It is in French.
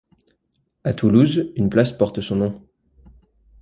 À Toulouse, une place porte son nom.